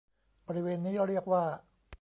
บริเวณนี้เรียกว่า